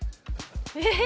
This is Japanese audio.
えっ？